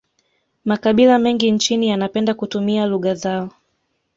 makabila mengi nchini yanapende kutumia lugha zao